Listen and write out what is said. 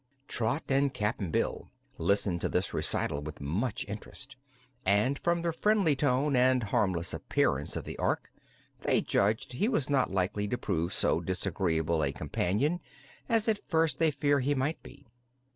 Trot and Cap'n Bill listened to this recital with much interest, and from the friendly tone and harmless appearance of the Ork they judged he was not likely to prove so disagreeable a companion as at first they had feared he might be.